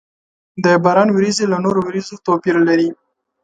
د باران ورېځې له نورو ورېځو توپير لري.